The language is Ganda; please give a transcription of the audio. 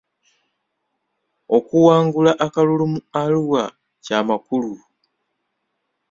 Okuwangula akalulu mu Arua ky'amakulu .